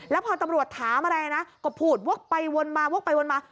แล้วพอตำรวจถามอะไรนะก็พูดวกไปวนมาวกไปวนมา